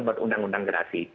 buat undang undang gerasi